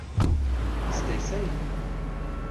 Stay safe.